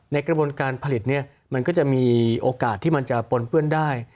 ในกระบวนการผลิตเนี่ยมันก็จะมีโอกาสที่มันจะปนเปื้อนได้